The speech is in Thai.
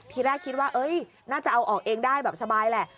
ทีแรกคิดว่าน่าจะเอาออกเองได้แบบสบายแหละ